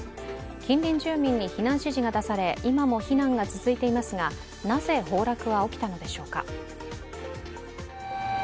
近隣住民に避難指示が出され今も避難が続いていますが、なぜ崩落は起きたのでしょうか。